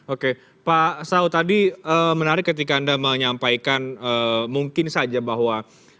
oke pak saud tadi menarik ketika anda menyampaikan mungkin saja bahwa